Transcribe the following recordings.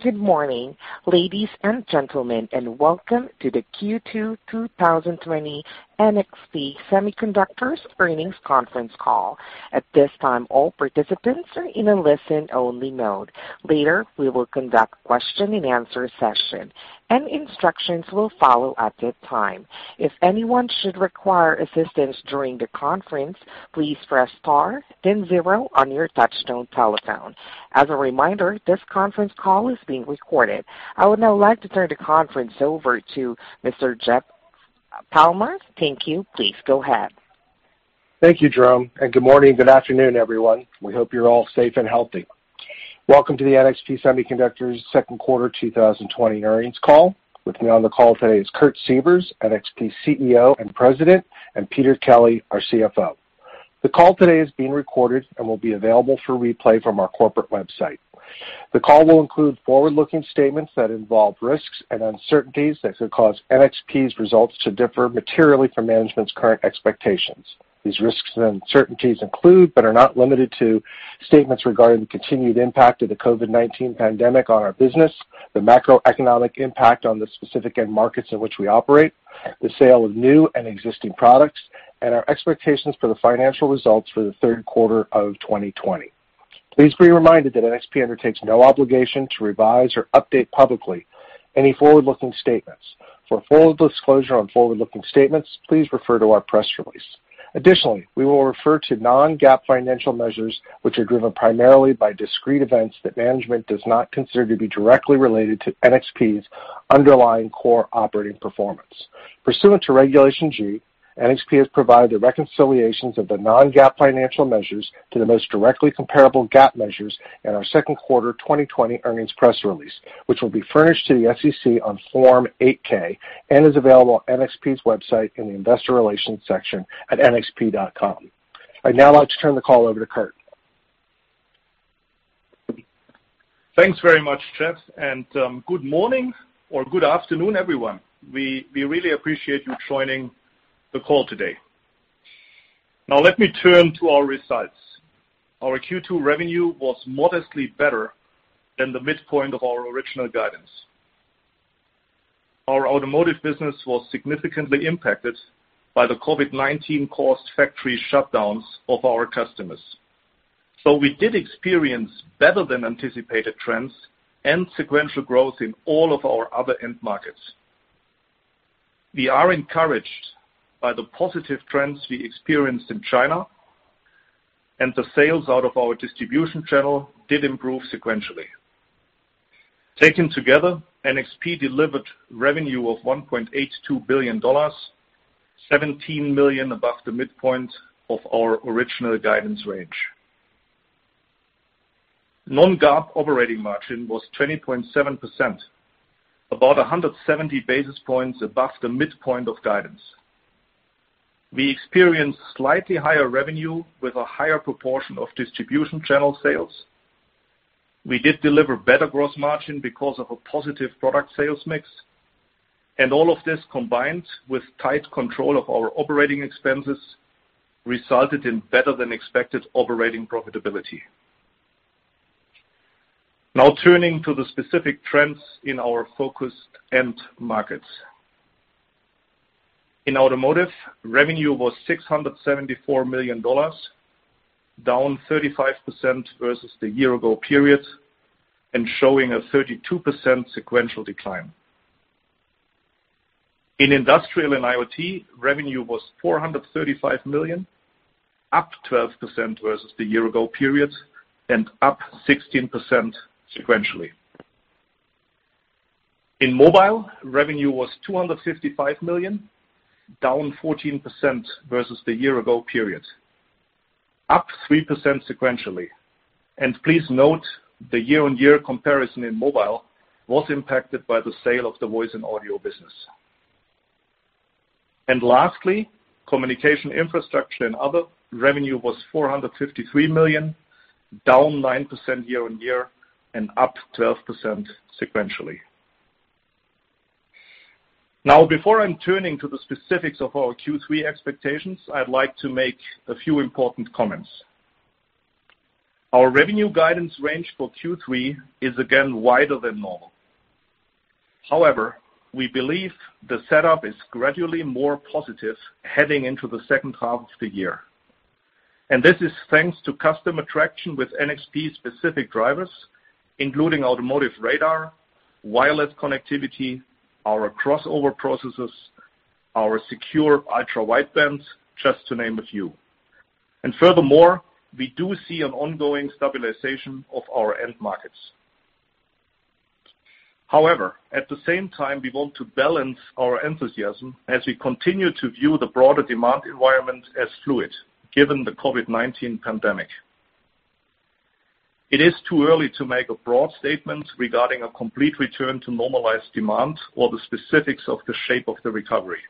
Good morning, ladies and gentlemen, and welcome to the Q2 2020 NXP Semiconductors earnings conference call. At this time, all participants are in a listen-only mode. Later, we will conduct a question-and-answer session, and instructions will follow at that time. If anyone should require assistance during the conference, please press star then zero on your touch-tone telephone. As a reminder, this conference call is being recorded. I would now like to turn the conference over to Mr. Jeff Palmer. Thank you. Please go ahead. Thank you, Jerome, and good morning, good afternoon, everyone. We hope you're all safe and healthy. Welcome to the NXP Semiconductors second quarter 2020 earnings call. With me on the call today is Kurt Sievers, NXP's CEO and President, and Peter Kelly, our CFO. The call today is being recorded and will be available for replay from our corporate website. The call will include forward-looking statements that involve risks and uncertainties that could cause NXP's results to differ materially from management's current expectations. These risks and uncertainties include, but are not limited to, statements regarding the continued impact of the COVID-19 pandemic on our business, the macroeconomic impact on the specific end markets in which we operate, the sale of new and existing products, and our expectations for the financial results for the third quarter of 2020. Please be reminded that NXP undertakes no obligation to revise or update publicly any forward-looking statements. For full disclosure on forward-looking statements, please refer to our press release. Additionally, we will refer to non-GAAP financial measures, which are driven primarily by discrete events that management does not consider to be directly related to NXP's underlying core operating performance. Pursuant to Regulation G, NXP has provided the reconciliations of the non-GAAP financial measures to the most directly comparable GAAP measures in our second quarter 2020 earnings press release, which will be furnished to the SEC on Form 8-K and is available on NXP's website in the investor relations section at nxp.com. I'd now like to turn the call over to Kurt. Thanks very much, Jeff, good morning or good afternoon, everyone. We really appreciate you joining the call today. Let me turn to our results. Our Q2 revenue was modestly better than the midpoint of our original guidance. Our automotive business was significantly impacted by the COVID-19-caused factory shutdowns of our customers. We did experience better than anticipated trends and sequential growth in all of our other end markets. We are encouraged by the positive trends we experienced in China, the sales out of our distribution channel did improve sequentially. Taken together, NXP delivered revenue of $1.82 billion, $17 million above the midpoint of our original guidance range. Non-GAAP operating margin was 20.7%, about 170 basis points above the midpoint of guidance. We experienced slightly higher revenue with a higher proportion of distribution channel sales. We did deliver better gross margin because of a positive product sales mix, all of this combined with tight control of our operating expenses, resulted in better than expected operating profitability. Turning to the specific trends in our focused end markets. In automotive, revenue was $674 million, down 35% versus the year-ago period, and showing a 32% sequential decline. In industrial and IoT, revenue was $435 million, up 12% versus the year-ago period and up 16% sequentially. In mobile, revenue was $255 million, down 14% versus the year-ago period, up 3% sequentially. Please note, the year-on-year comparison in mobile was impacted by the sale of the voice and audio business. Lastly, communication infrastructure and other revenue was $453 million, down 9% year-on-year and up 12% sequentially. Now, before I'm turning to the specifics of our Q3 expectations, I'd like to make a few important comments. Our revenue guidance range for Q3 is again wider than normal. However, we believe the setup is gradually more positive heading into the second half of the year. This is thanks to customer traction with NXP specific drivers, including automotive radar, wireless connectivity, our crossover processors, our secure ultra-widebands, just to name a few. Furthermore, we do see an ongoing stabilization of our end markets. However, at the same time, we want to balance our enthusiasm as we continue to view the broader demand environment as fluid given the COVID-19 pandemic. It is too early to make a broad statement regarding a complete return to normalized demand or the specifics of the shape of the recovery.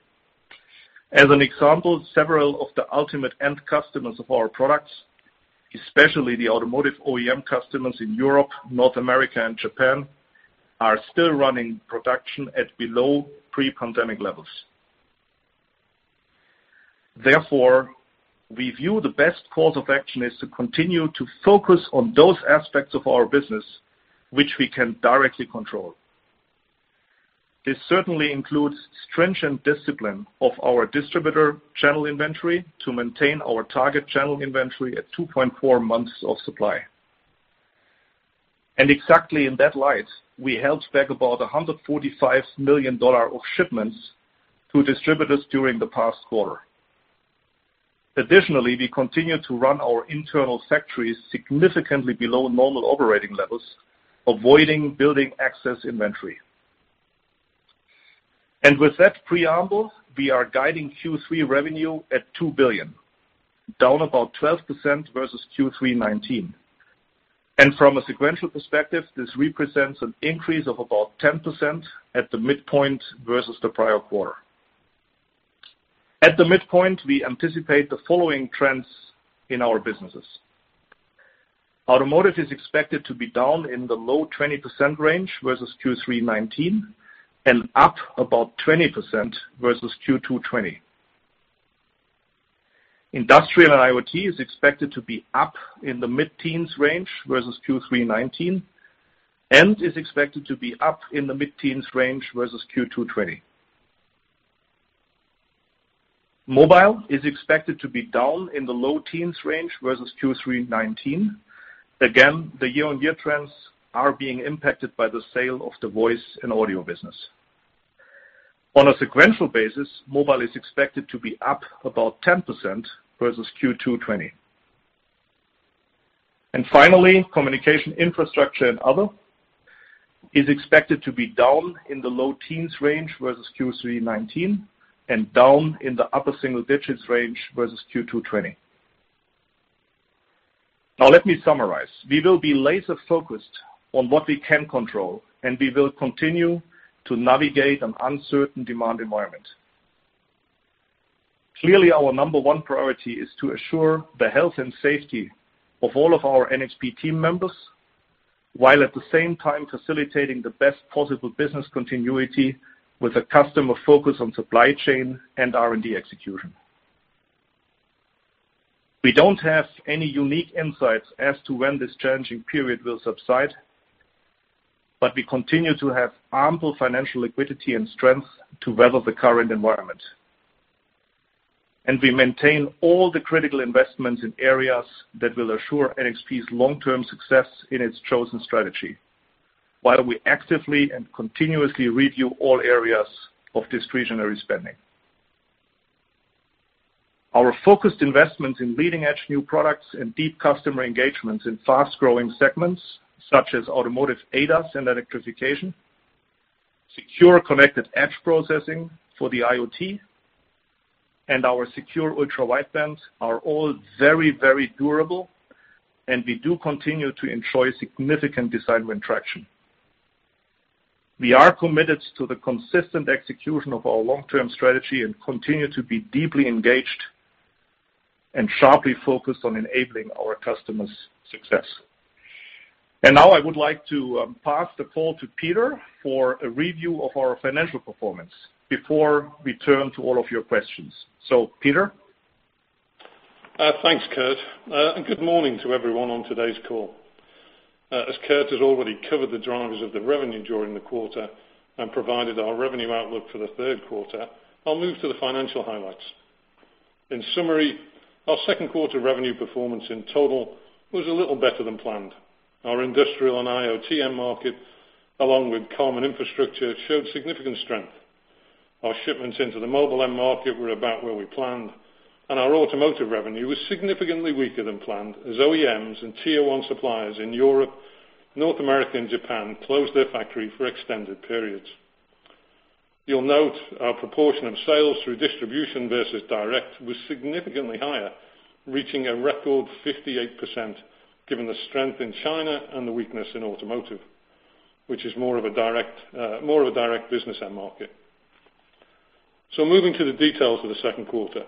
As an example, several of the ultimate end customers of our products, especially the automotive OEM customers in Europe, North America, and Japan, are still running production at below pre-pandemic levels. Therefore, we view the best course of action is to continue to focus on those aspects of our business which we can directly control. This certainly includes stringent discipline of our distributor channel inventory to maintain our target channel inventory at 2.4 months of supply. Exactly in that light, we held back about $145 million of shipments to distributors during the past quarter. Additionally, we continued to run our internal factories significantly below normal operating levels, avoiding building excess inventory. With that preamble, we are guiding Q3 revenue at $2 billion, down about 12% versus Q3 2019. From a sequential perspective, this represents an increase of about 10% at the midpoint versus the prior quarter. At the midpoint, we anticipate the following trends in our businesses. Automotive is expected to be down in the low 20% range versus Q3 2019 and up about 20% versus Q2 2020. Industrial IoT is expected to be up in the mid-teens range versus Q3 2019 and is expected to be up in the mid-teens range versus Q2 2020. Mobile is expected to be down in the low teens range versus Q3 2019. Again, the year-on-year trends are being impacted by the sale of the voice and audio business. On a sequential basis, mobile is expected to be up about 10% versus Q2 2020. Finally, communication infrastructure and other is expected to be down in the low teens range versus Q3 2019 and down in the upper single-digits range versus Q2 2020. Now let me summarize. We will be laser focused on what we can control, and we will continue to navigate an uncertain demand environment. Clearly, our number one priority is to assure the health and safety of all of our NXP team members, while at the same time facilitating the best possible business continuity with a customer focus on supply chain and R&D execution. We don't have any unique insights as to when this challenging period will subside, but we continue to have ample financial liquidity and strength to weather the current environment. We maintain all the critical investments in areas that will assure NXP's long-term success in its chosen strategy, while we actively and continuously review all areas of discretionary spending. Our focused investments in leading-edge new products and deep customer engagements in fast-growing segments such as automotive ADAS and electrification, secure connected edge processing for the IoT, and our secure ultra-wideband are all very, very durable, we do continue to enjoy significant design win traction. We are committed to the consistent execution of our long-term strategy and continue to be deeply engaged and sharply focused on enabling our customers' success. Now I would like to pass the call to Peter for a review of our financial performance before we turn to all of your questions. Peter? Thanks, Kurt. Good morning to everyone on today's call. As Kurt has already covered the drivers of the revenue during the quarter and provided our revenue outlook for the third quarter, I'll move to the financial highlights. In summary, our second quarter revenue performance in total was a little better than planned. Our industrial and IoT end market, along with common infrastructure, showed significant strength. Our shipments into the mobile end market were about where we planned, and our automotive revenue was significantly weaker than planned, as OEMs and Tier 1 suppliers in Europe, North America, and Japan closed their factory for extended periods. You'll note our proportion of sales through distribution versus direct was significantly higher, reaching a record 58% given the strength in China and the weakness in automotive, which is more of a direct business end market. Moving to the details of the second quarter.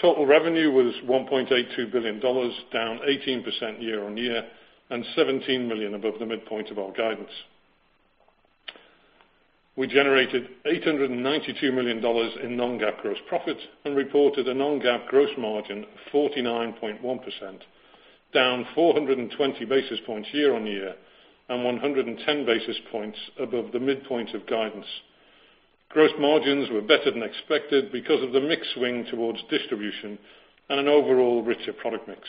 Total revenue was $1.82 billion, down 18% year-over-year and $17 million above the midpoint of our guidance. We generated $892 million in non-GAAP gross profit and reported a non-GAAP gross margin of 49.1%, down 420 basis points year-over-year and 110 basis points above the midpoint of guidance. Gross margins were better than expected because of the mix swing towards distribution and an overall richer product mix.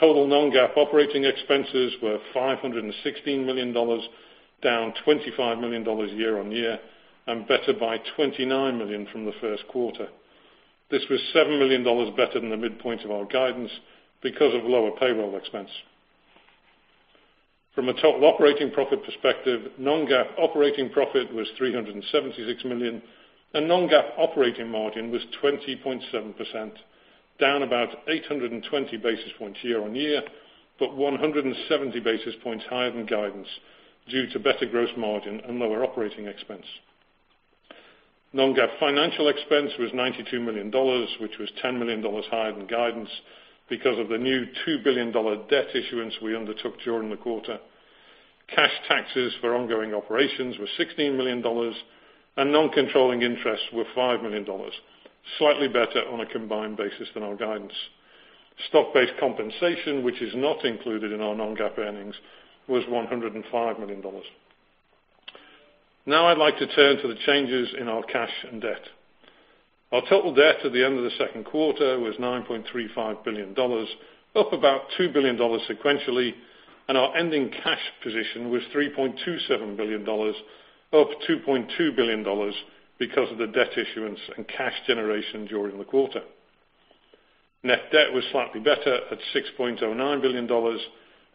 Total non-GAAP operating expenses were $516 million, down $25 million year-over-year, and better by $29 million from the first quarter. This was $7 million better than the midpoint of our guidance because of lower payroll expense. From a total operating profit perspective, non-GAAP operating profit was $376 million and non-GAAP operating margin was 20.7%, down about 820 basis points year-over-year, but 170 basis points higher than guidance due to better gross margin and lower operating expense. Non-GAAP financial expense was $92 million, which was $10 million higher than guidance because of the new $2 billion debt issuance we undertook during the quarter. Cash taxes for ongoing operations were $16 million and non-controlling interests were $5 million, slightly better on a combined basis than our guidance. Stock-based compensation, which is not included in our non-GAAP earnings, was $105 million. Now I'd like to turn to the changes in our cash and debt. Our total debt at the end of the second quarter was $9.35 billion, up about $2 billion sequentially, and our ending cash position was $3.27 billion, up $2.2 billion because of the debt issuance and cash generation during the quarter. Net debt was slightly better at $6.09 billion,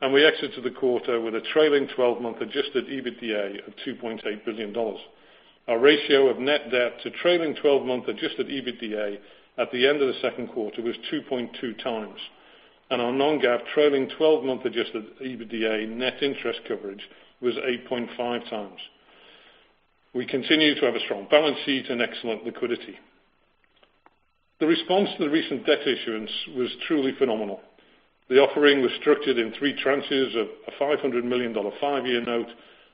and we exited the quarter with a trailing 12-month a of $2.8 billion. Our ratio of net debt to trailing 12-month a at the end of the second quarter was 2.2x, and our non-GAAP trailing 12-month a net interest coverage was 8.5x. We continue to have a strong balance sheet and excellent liquidity. The response to the recent debt issuance was truly phenomenal. The offering was structured in three tranches of a $500 million five-year note,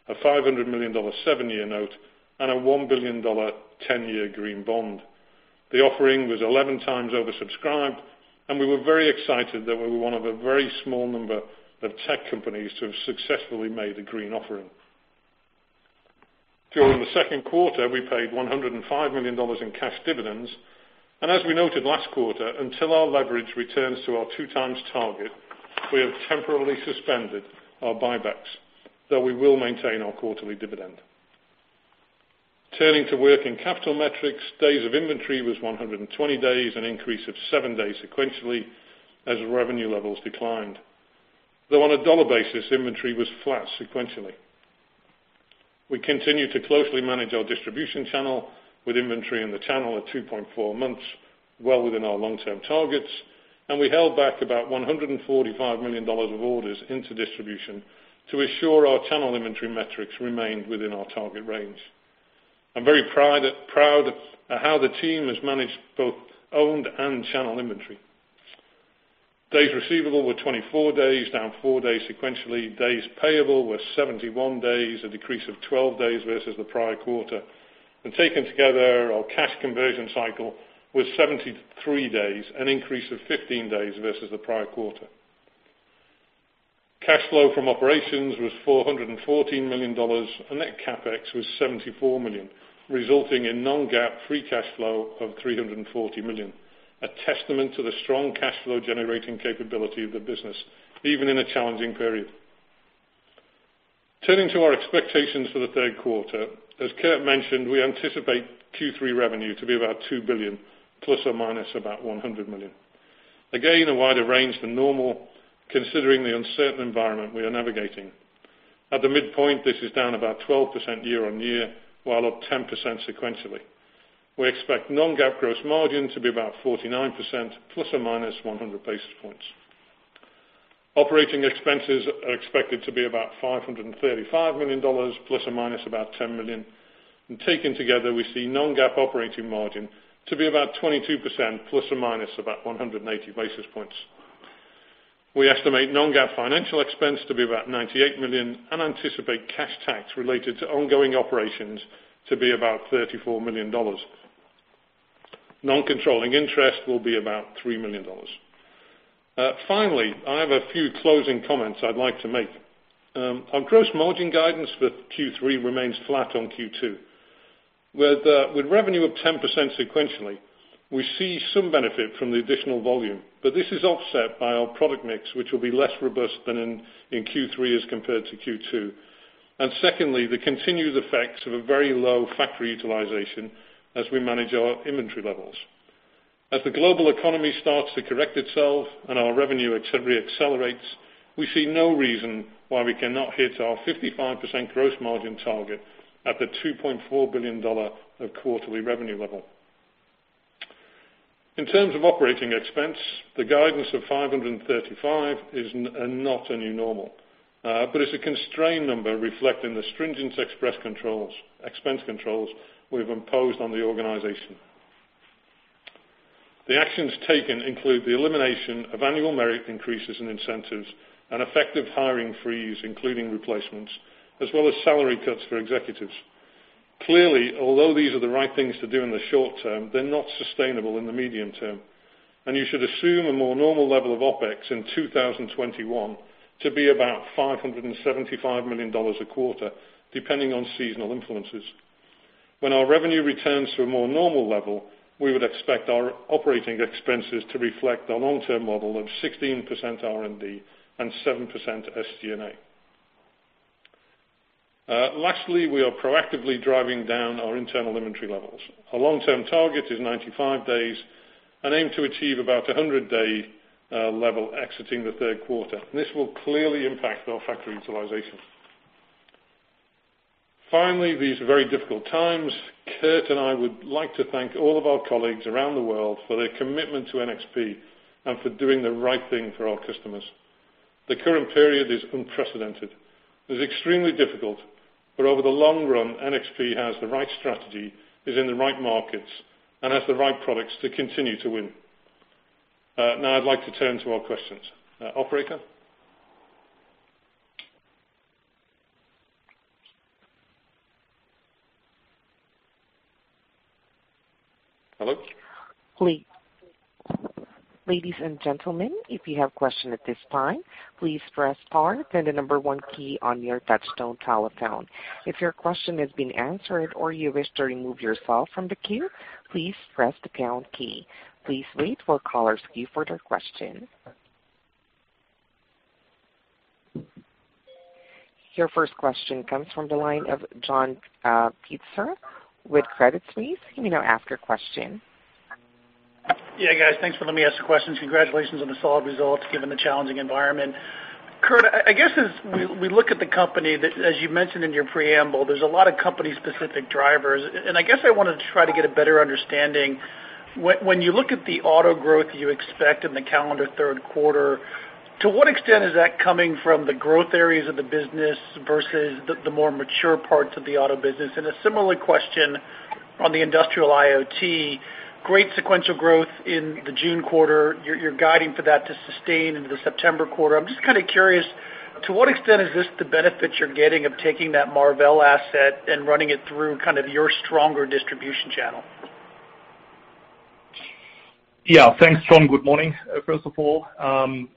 a $500 million seven-year note, and a $1 billion 10-year green bond. The offering was 11 times oversubscribed, and we were very excited that we were one of a very small number of tech companies to have successfully made a green offering. During the second quarter, we paid $105 million in cash dividends, and as we noted last quarter, until our leverage returns to our two times target, we have temporarily suspended our buybacks, though we will maintain our quarterly dividend. Turning to working capital metrics, days of inventory was 120 days, an increase of seven days sequentially as revenue levels declined. Though on a dollar basis, inventory was flat sequentially. We continue to closely manage our distribution channel with inventory in the channel at 2.4 months, well within our long-term targets, and we held back about $145 million of orders into distribution to ensure our channel inventory metrics remained within our target range. I'm very proud at how the team has managed both owned and channel inventory. Days receivable were 24 days, down four days sequentially. Days payable were 71 days, a decrease of 12 days versus the prior quarter. Taken together, our cash conversion cycle was 73 days, an increase of 15 days versus the prior quarter. Cash flow from operations was $414 million, net CapEx was $74 million, resulting in non-GAAP free cash flow of $340 million. A testament to the strong cash flow generating capability of the business, even in a challenging period. Turning to our expectations for the third quarter, as Kurt mentioned, we anticipate Q3 revenue to be about $2 billion, ± $100 million. A wider range than normal, considering the uncertain environment we are navigating. At the midpoint, this is down about 12% year-on-year, while up 10% sequentially. We expect non-GAAP gross margin to be about 49%, ± 100 basis points. Operating expenses are expected to be about $535 million, ± $10 million. Taken together, we see non-GAAP operating margin to be about 22%, ± 180 basis points. We estimate non-GAAP financial expense to be about $98 million and anticipate cash tax related to ongoing operations to be about $34 million. Non-controlling interest will be about $3 million. I have a few closing comments I'd like to make. Our gross margin guidance for Q3 remains flat on Q2. With revenue up 10% sequentially, we see some benefit from the additional volume, but this is offset by our product mix, which will be less robust than in Q3 as compared to Q2. Secondly, the continued effects of a very low factory utilization as we manage our inventory levels. As the global economy starts to correct itself and our revenue re-accelerates, we see no reason why we cannot hit our 55% gross margin target at the $2.4 billion of quarterly revenue level. In terms of OpEx, the guidance of 535 is not a new normal, but it's a constrained number reflecting the stringent expense controls we've imposed on the organization. The actions taken include the elimination of annual merit increases and incentives and effective hiring freeze, including replacements, as well as salary cuts for executives. Although these are the right things to do in the short term, they're not sustainable in the medium term, and you should assume a more normal level of OpEx in 2021 to be about $575 million a quarter, depending on seasonal influences. When our revenue returns to a more normal level, we would expect our operating expenses to reflect a long-term model of 16% R&D and 7% SG&A. Lastly, we are proactively driving down our internal inventory levels. Our long-term target is 95 days and aim to achieve about 100 day level exiting the third quarter. This will clearly impact our factory utilization. Finally, these are very difficult times. Kurt and I would like to thank all of our colleagues around the world for their commitment to NXP and for doing the right thing for our customers. The current period is unprecedented. It is extremely difficult, but over the long run, NXP has the right strategy, is in the right markets, and has the right products to continue to win. Now I'd like to turn to our questions. Operator? Hello? Ladies and gentlemen, if you have a question at this time, please press star, then the number one key on your touchtone telephone. If your question has been answered or you wish to remove yourself from the queue, please press the pound key. Please wait for a caller's queue for their question. Your first question comes from the line of John Pitzer with Credit Suisse. You may now ask your question. Yeah, guys. Thanks for letting me ask the questions. Congratulations on the solid results given the challenging environment. Kurt, I guess as we look at the company, as you mentioned in your preamble, there's a lot of company-specific drivers, and I guess I wanted to try to get a better understanding. When you look at the auto growth you expect in the calendar third quarter, to what extent is that coming from the growth areas of the business versus the more mature parts of the auto business? A similar question on the industrial IoT. Great sequential growth in the June quarter. You're guiding for that to sustain into the September quarter. I'm just kind of curious, to what extent is this the benefit you're getting of taking that Marvell asset and running it through your stronger distribution channel? Thanks, John. Good morning, first of all. A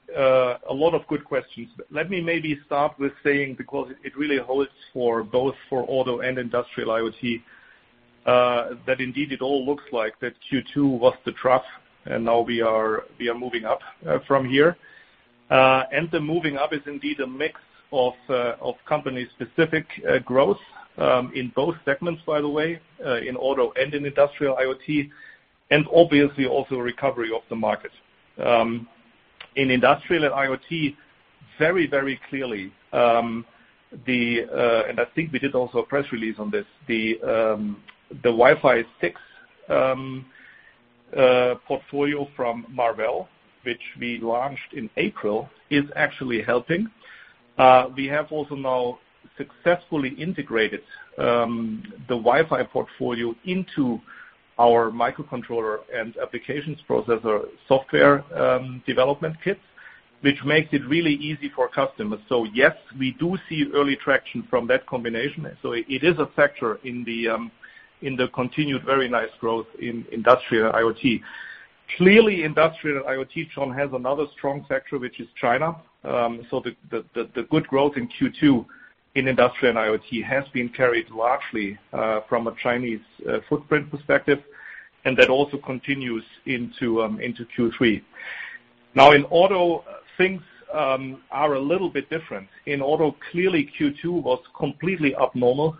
lot of good questions. Let me maybe start with saying, because it really holds both for auto and Industrial IoT, that indeed it all looks like that Q2 was the trough, and now we are moving up from here. The moving up is indeed a mix of company-specific growth, in both segments, by the way, in auto and in Industrial IoT, and obviously also a recovery of the market. In Industrial and IoT, very clearly, and I think we did also a press release on this, the Wi-Fi 6 portfolio from Marvell, which we launched in April, is actually helping. We have also now successfully integrated the Wi-Fi portfolio into our microcontroller and applications processor software development kit, which makes it really easy for customers. Yes, we do see early traction from that combination. It is a factor in the continued very nice growth in industrial IoT. Clearly, industrial IoT, John, has another strong factor, which is China. The good growth in Q2 in industrial and IoT has been carried largely from a Chinese footprint perspective, and that also continues into Q3. In auto, things are a little bit different. In auto, clearly Q2 was completely abnormal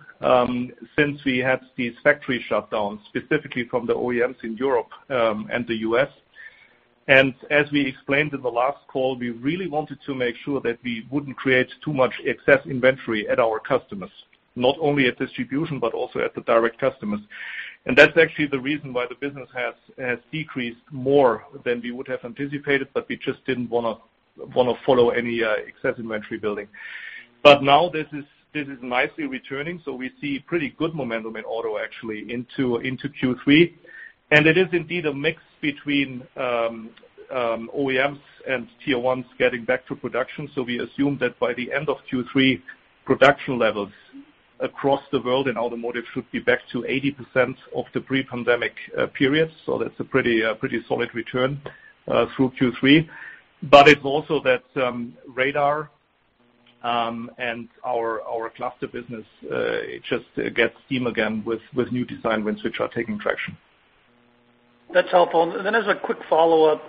since we had these factory shutdowns, specifically from the OEMs in Europe and the U.S. As we explained in the last call, we really wanted to make sure that we wouldn't create too much excess inventory at our customers, not only at distribution, but also at the direct customers. That's actually the reason why the business has decreased more than we would have anticipated, but we just didn't want to follow any excess inventory building. Now this is nicely returning. We see pretty good momentum in auto actually into Q3. It is indeed a mix between OEMs and Tier 1s getting back to production. We assume that by the end of Q3, production levels across the world in automotive should be back to 80% of the pre-pandemic period. That's a pretty solid return through Q3. It's also that radar and our cluster business just gets steam again with new design wins which are taking traction. That's helpful. As a quick follow-up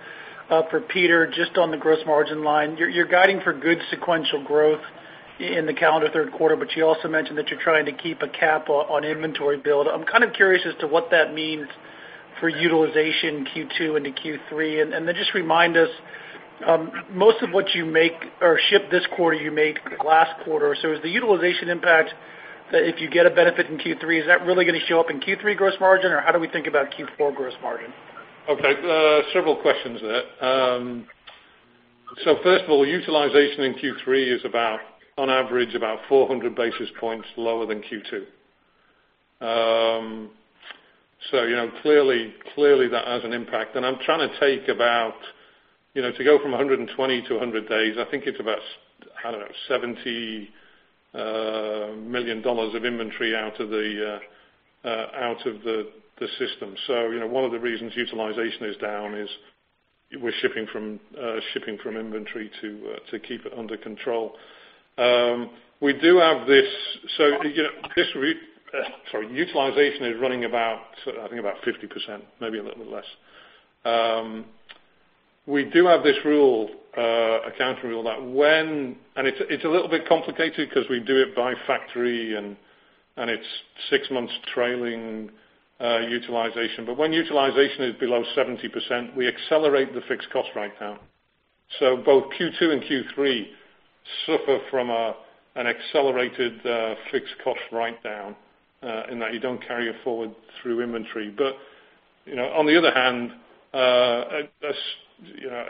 for Peter, just on the gross margin line. You're guiding for good sequential growth in the calendar third quarter, but you also mentioned that you're trying to keep a cap on inventory build. I'm kind of curious as to what that means for utilization Q2 into Q3. Just remind us, most of what you make or ship this quarter, you made last quarter. Is the utilization impact that if you get a benefit in Q3, is that really going to show up in Q3 gross margin? Or how do we think about Q4 gross margin? Okay. Several questions there. First of all, utilization in Q3 is about, on average, about 400 basis points lower than Q2. I'm trying to take about, to go from 120 to 100 days, I think it's about, I don't know, $70 million of inventory out of the system. One of the reasons utilization is down is we're shipping from inventory to keep it under control. Utilization is running about, I think about 50%, maybe a little less. We do have this rule, accounting rule that when it's a little bit complicated because we do it by factory and it's six months trailing utilization. When utilization is below 70%, we accelerate the fixed cost write-down. Both Q2 and Q3 suffer from an accelerated fixed cost write-down in that you don't carry it forward through inventory. On the other hand,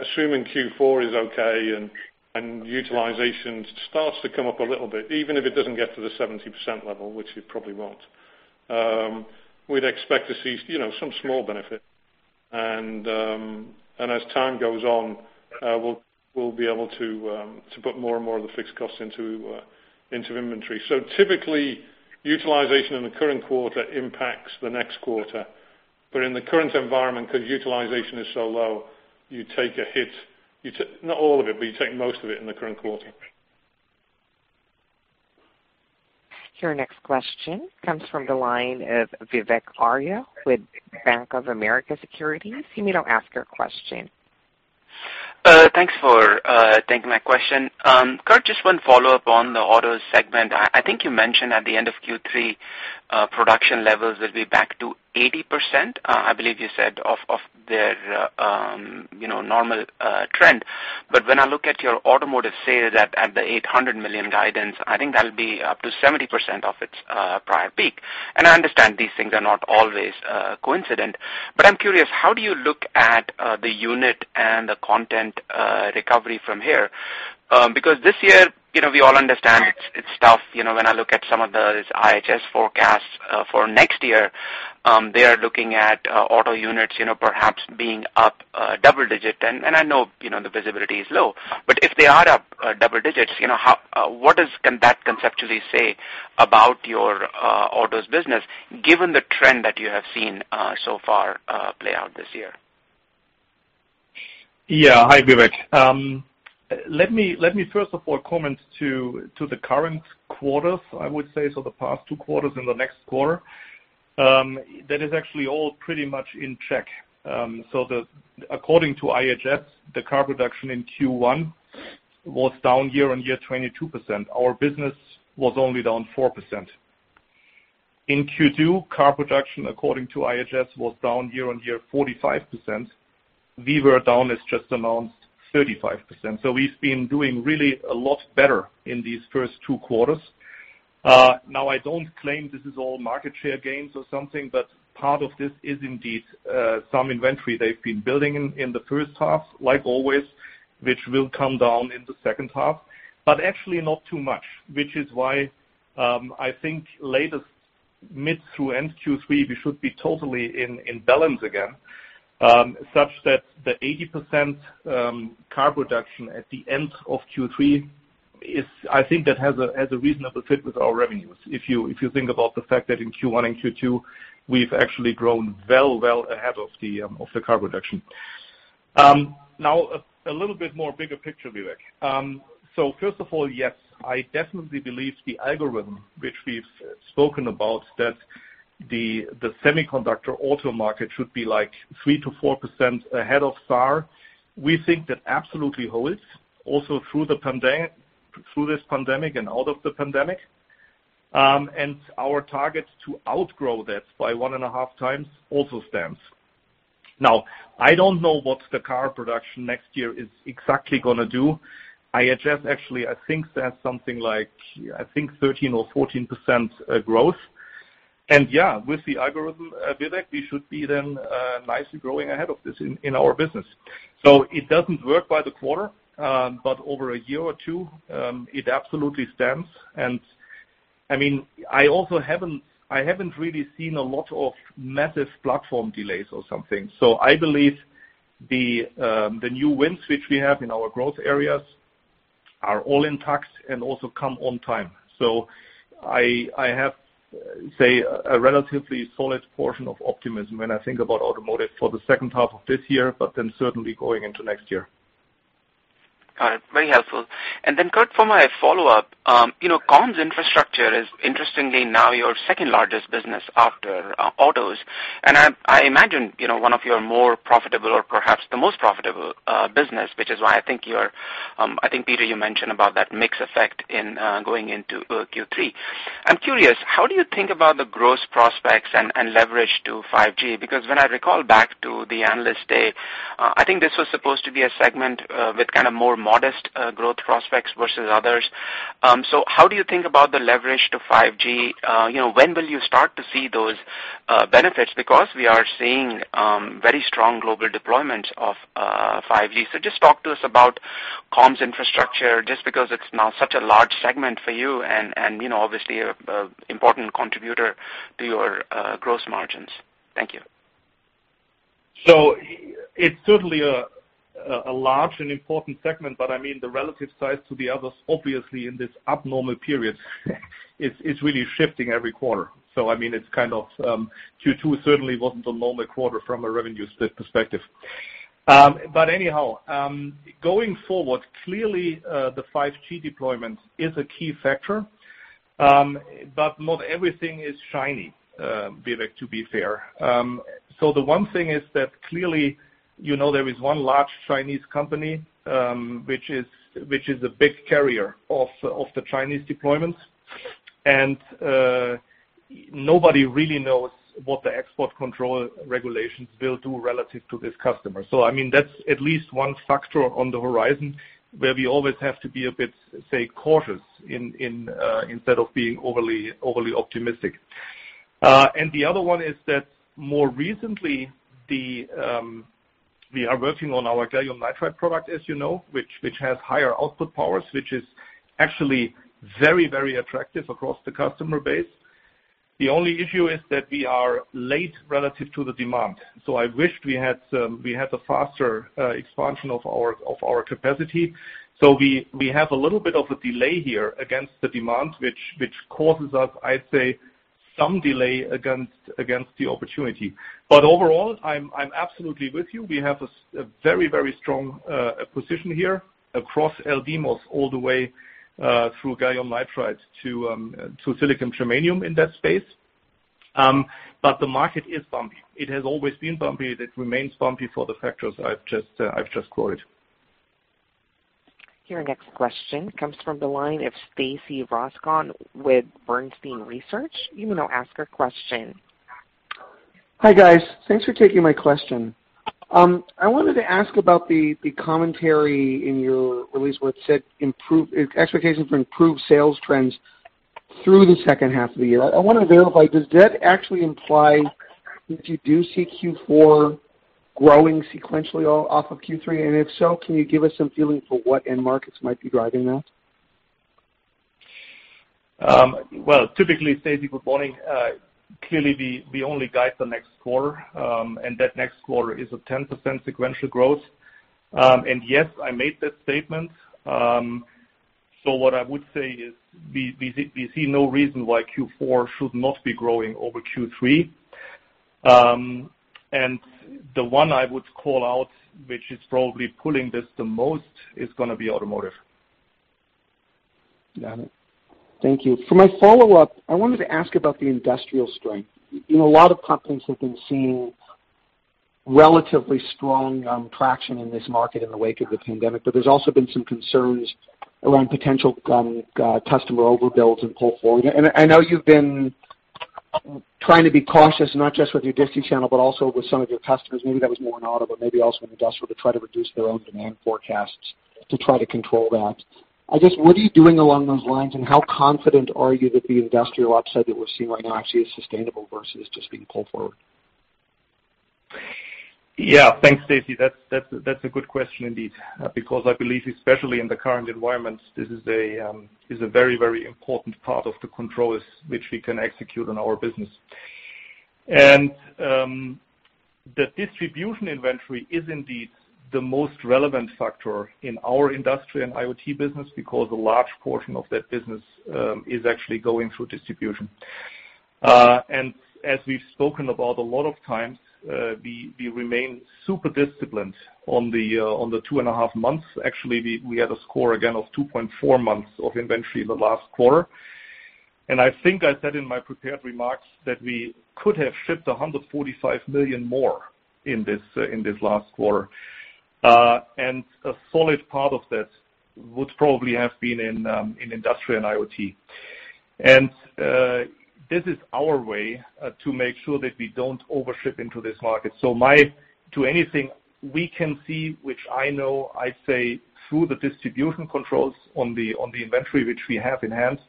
assuming Q4 is okay and utilization starts to come up a little bit, even if it doesn't get to the 70% level, which it probably won't. We'd expect to see some small benefit. As time goes on, we'll be able to put more and more of the fixed costs into inventory. Typically, utilization in the current quarter impacts the next quarter. In the current environment, because utilization is so low, you take a hit. Not all of it, but you take most of it in the current quarter. Your next question comes from the line of Vivek Arya with Bank of America Securities. You may now ask your question. Thanks for taking my question. Kurt, just one follow-up on the autos segment. I think you mentioned at the end of Q3, production levels will be back to 80%, I believe you said, of their normal trend. When I look at your automotive sales at the $800 million guidance, I think that'll be up to 70% of its prior peak. I understand these things are not always coincident, but I'm curious, how do you look at the unit and the content recovery from here? Because this year, we all understand it's tough. When I look at some of the IHS forecasts for next year, they are looking at auto units perhaps being up double-digit, and I know the visibility is low. If they are up double-digits, what does that conceptually say about your autos business, given the trend that you have seen so far play out this year? Hi, Vivek. Let me first of all comment to the current quarter, I would say, the past two quarters and the next quarter. That is actually all pretty much in check. According to IHS, the car production in Q1 was down year-on-year 22%. Our business was only down 4%. In Q2, car production, according to IHS, was down year-on-year 45%. We were down, as just announced, 35%. We've been doing really a lot better in these first two quarters. I don't claim this is all market share gains or something, but part of this is indeed some inventory they've been building in the first half, like always, which will come down in the second half, but actually not too much, which is why I think latest mid through end Q3, we should be totally in balance again. Such that the 80% car production at the end of Q3 is, I think that has a reasonable fit with our revenues. If you think about the fact that in Q1 and Q2, we've actually grown well ahead of the car production. A little bit more bigger picture, Vivek. First of all, yes, I definitely believe the algorithm which we've spoken about that the semiconductor auto market should be like 3%-4% ahead of SAAR. We think that absolutely holds also through this pandemic and out of the pandemic. Our target to outgrow that by one and a half times also stands. I don't know what the car production next year is exactly going to do. IHS actually, I think they have something like 13% or 14% growth. Yeah, with the algorithm, Vivek, we should be then nicely growing ahead of this in our business. It doesn't work by the quarter, but over a year or two, it absolutely stands. I also haven't really seen a lot of massive platform delays or something. I believe the new wins which we have in our growth areas are all intact and also come on time. I have, say, a relatively solid portion of optimism when I think about automotive for the second half of this year, but then certainly going into next year. Got it. Very helpful. Kurt, for my follow-up. Comms infrastructure is interestingly now your second largest business after autos. I imagine one of your more profitable or perhaps the most profitable business, which is why I think, Peter, you mentioned about that mix effect in going into Q3. I'm curious, how do you think about the growth prospects and leverage to 5G? When I recall back to the Analyst Day, I think this was supposed to be a segment with kind of more modest growth prospects versus others. How do you think about the leverage to 5G? When will you start to see those benefits? We are seeing very strong global deployment of 5G. Just talk to us about comms infrastructure, just because it's now such a large segment for you and obviously an important contributor to your gross margins. Thank you. It's certainly a large and important segment, but the relative size to the others, obviously in this abnormal period, is really shifting every quarter. Q2 certainly wasn't a normal quarter from a revenue perspective. Anyhow, going forward, clearly, the 5G deployment is a key factor. Not everything is shiny, Vivek, to be fair. The one thing is that clearly, there is one large Chinese company, which is a big carrier of the Chinese deployments. Nobody really knows what the export control regulations will do relative to this customer. That's at least one factor on the horizon where we always have to be a bit, say, cautious instead of being overly optimistic. The other one is that more recently. We are working on our gallium nitride product, as you know, which has higher output powers, which is actually very attractive across the customer base. The only issue is that we are late relative to the demand. I wished we had a faster expansion of our capacity. We have a little bit of a delay here against the demand, which causes us, I say, some delay against the opportunity. Overall, I'm absolutely with you. We have a very strong position here across LDMOS, all the way through gallium nitride to silicon germanium in that space. The market is bumpy. It has always been bumpy. It remains bumpy for the factors I've just quoted. Your next question comes from the line of Stacy Rasgon with Bernstein Research. You may now ask your question. Hi, guys. Thanks for taking my question. I wanted to ask about the commentary in your release where it said expectation for improved sales trends through the second half of the year. I want to verify, does that actually imply that you do see Q4 growing sequentially off of Q3? If so, can you give us some feeling for what end markets might be driving that? Well, typically, Stacy, good morning. Clearly, we only guide the next quarter, and that next quarter is a 10% sequential growth. Yes, I made that statement. What I would say is, we see no reason why Q4 should not be growing over Q3. The one I would call out, which is probably pulling this the most, is going to be automotive. Got it. Thank you. For my follow-up, I wanted to ask about the industrial strength. A lot of companies have been seeing relatively strong traction in this market in the wake of the pandemic, but there's also been some concerns around potential customer overbuilds and pull forward. I know you've been trying to be cautious, not just with your disti channel, but also with some of your customers. Maybe that was more in auto, but maybe also in industrial to try to reduce their own demand forecasts to try to control that. I guess, what are you doing along those lines, and how confident are you that the industrial upside that we're seeing right now actually is sustainable versus just being pulled forward? Yeah. Thanks, Stacy. That's a good question indeed, because I believe, especially in the current environment, this is a very important part of the controls which we can execute on our business. The distribution inventory is indeed the most relevant factor in our industrial and IoT business because a large portion of that business is actually going through distribution. As we've spoken about a lot of times, we remain super disciplined on the two and a half months. Actually, we had a score again of 2.4 months of inventory in the last quarter. I think I said in my prepared remarks that we could have shipped 145 million more in this last quarter. A solid part of that would probably have been in industrial and IoT. This is our way to make sure that we don't overship into this market. To anything we can see, which I know I say through the distribution controls on the inventory, which we have in hand,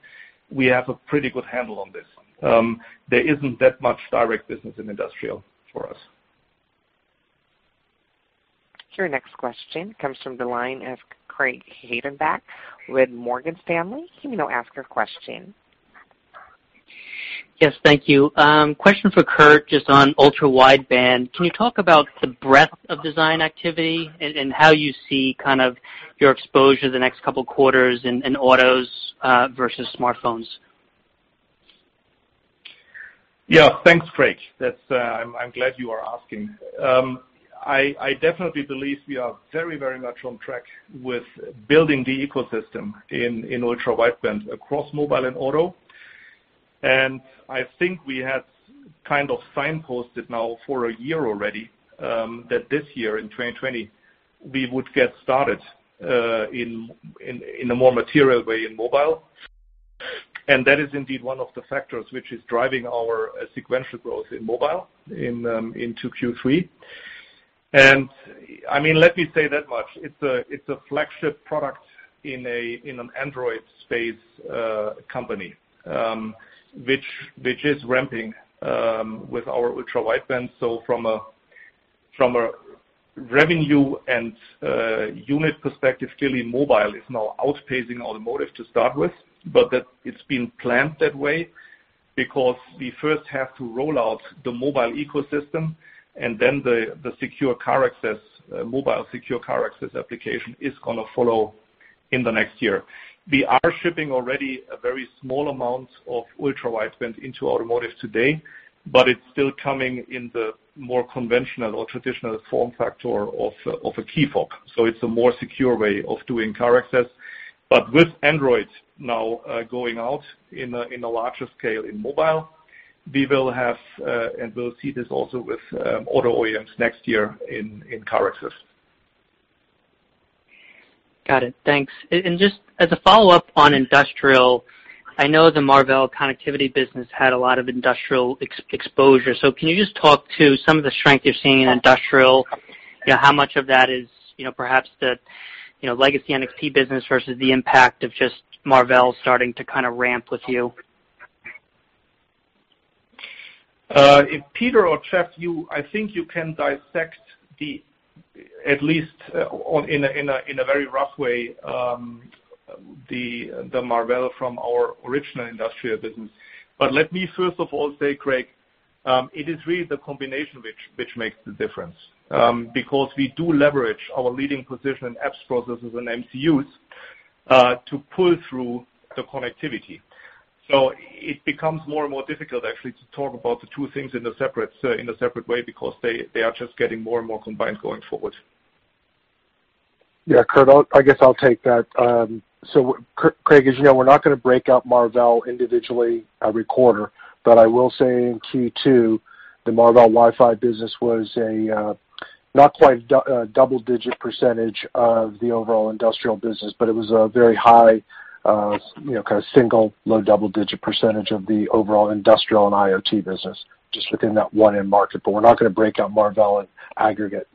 we have a pretty good handle on this. There isn't that much direct business in industrial for us. Your next question comes from the line of Craig Hettenbach with Morgan Stanley. You may now ask your question. Yes. Thank you. Question for Kurt, just on ultra-wideband. Can you talk about the breadth of design activity and how you see kind of your exposure the next couple of quarters in autos versus smartphones? Yeah. Thanks, Craig. I'm glad you are asking. I definitely believe we are very much on track with building the ecosystem in ultra-wideband across mobile and auto. I think we had kind of signposted now for a year already, that this year in 2020, we would get started in a more material way in mobile. That is indeed one of the factors which is driving our sequential growth in mobile into Q3. Let me say that much. It's a flagship product in an Android space company, which is ramping with our ultra-wideband. From a revenue and unit perspective, clearly mobile is now outpacing automotive to start with, but it's been planned that way because we first have to roll out the mobile ecosystem, and then the mobile secure car access application is going to follow in the next year. We are shipping already a very small amount of ultra-wideband into automotive today, but it's still coming in the more conventional or traditional form factor of a key fob. It's a more secure way of doing car access. With Android now going out in a larger scale in mobile, and we'll see this also with auto OEMs next year in car access. Got it. Thanks. Just as a follow-up on industrial, I know the Marvell connectivity business had a lot of industrial exposure. Can you just talk to some of the strength you're seeing in industrial? How much of that is perhaps the legacy NXP business versus the impact of just Marvell starting to kind of ramp with you? If Peter or Jeff, I think you can dissect, at least in a very rough way, the Marvell from our original industrial business. Let me first of all say, Craig, it is really the combination which makes the difference, because we do leverage our leading position in apps, processors, and MCUs to pull through the connectivity. It becomes more and more difficult actually to talk about the two things in a separate way because they are just getting more and more combined going forward. Yeah. Kurt, I guess I'll take that. Craig, as you know, we're not going to break out Marvell individually every quarter, but I will say in Q2, the Marvell Wi-Fi business was a not quite double-digit percentage of the overall industrial business, but it was a very high kind of single, low double-digit percentage of the overall industrial and IoT business, just within that one end market. We're not going to break out Marvell in aggregate.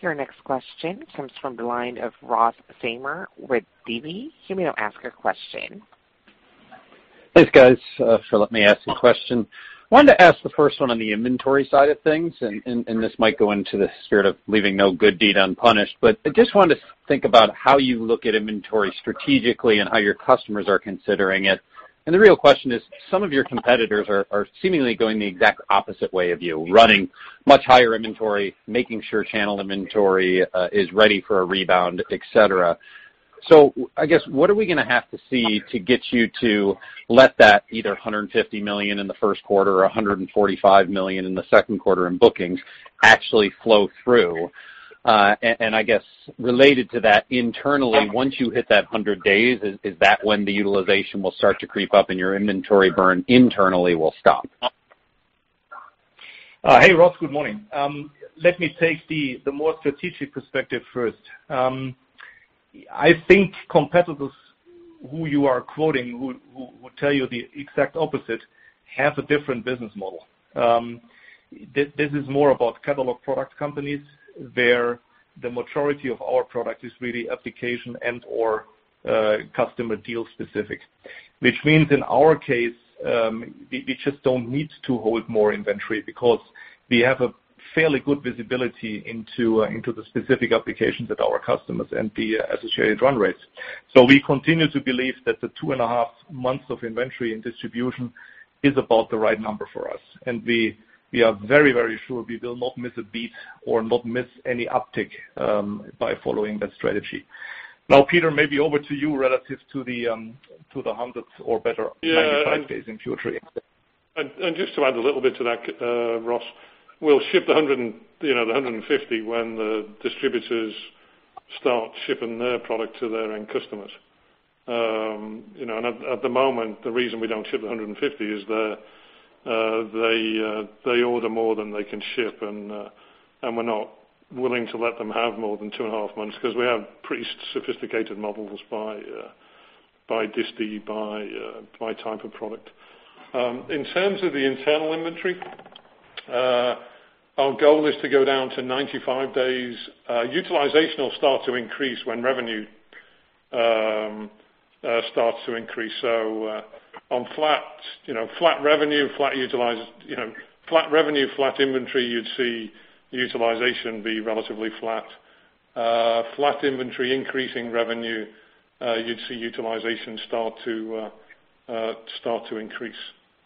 Your next question comes from the line of Ross Famer with DB. You may now ask your question. Thanks, guys. Let me ask the question. Wanted to ask the first one on the inventory side of things, and this might go into the spirit of leaving no good deed unpunished. I just wanted to think about how you look at inventory strategically and how your customers are considering it. The real question is, some of your competitors are seemingly going the exact opposite way of you, running much higher inventory, making sure channel inventory is ready for a rebound, et cetera. I guess, what are we going to have to see to get you to let that either $150 million in the first quarter or $145 million in the second quarter in bookings actually flow through? I guess, related to that, internally, once you hit that 100 days, is that when the utilization will start to creep up and your inventory burn internally will stop? Hey, Ross. Good morning. Let me take the more strategic perspective first. I think competitors who you are quoting, who would tell you the exact opposite, have a different business model. This is more about catalog product companies, where the majority of our product is really application and/or customer deal specific. Which means in our case, we just don't need to hold more inventory because we have a fairly good visibility into the specific applications with our customers and the associated run rates. We continue to believe that the two and a half months of inventory and distribution is about the right number for us. We are very sure we will not miss a beat or not miss any uptick by following that strategy. Now, Peter, maybe over to you relative to the hundreds or better 95 days in future. Yeah. Just to add a little bit to that, Ross, we'll ship the 150 when the distributors start shipping their product to their end customers. At the moment, the reason we don't ship 150 is they order more than they can ship, and we're not willing to let them have more than two and a half months because we have pretty sophisticated models by distri, by type of product. In terms of the internal inventory, our goal is to go down to 95 days. Utilization will start to increase when revenue starts to increase. On flat revenue, flat inventory, you'd see utilization be relatively flat. Flat inventory, increasing revenue, you'd see utilization start to increase.